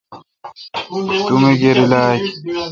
تو می کیر الا اک۔